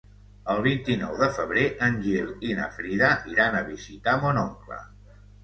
El vint-i-nou de febrer en Gil i na Frida iran a visitar mon oncle.